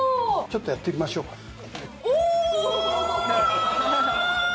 ちょっとやってみましょうかおお！